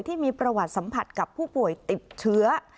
ที่มีประวัติสัมผัสกับผู้ป่วยติดเชื้อ